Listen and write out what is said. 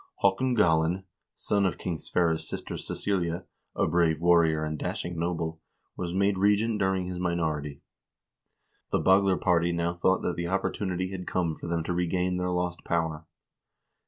Haa kon Galin, son of King Sverre's sister Cecilia, a brave warrior and dashing noble, was made regent during his minority. The Bagler party now thought that the opportunity had come for them to regain their lost power.